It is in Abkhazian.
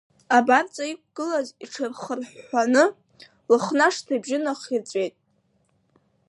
Абарҵа иҩықәгылаз иҽырхырҳәҳәаны, Лыхнашҭа ибжьы нахирҵәеит…